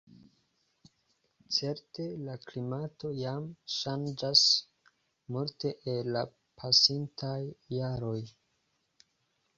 Certe, la klimato jam ŝanĝas multe el la pasintaj jaroj.